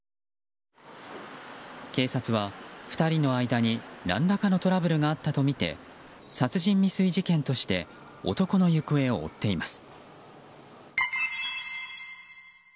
警察は、２人の間に何らかのトラブルがあったとみて殺人未遂事件として男の行方を追っています。